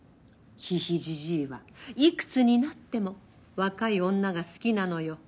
ヒヒジジイは幾つになっても若い女が好きなのよ。